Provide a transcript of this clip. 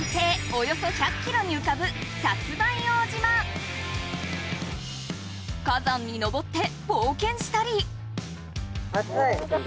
およそ１００キロにうかぶ火山に登ってぼうけんしたり。